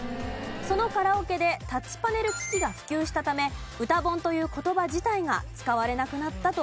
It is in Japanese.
そのカラオケでタッチパネル機器が普及したため「歌本」という言葉自体が使われなくなったという事です。